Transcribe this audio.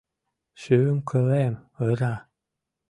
Шӱм-кылем ыра.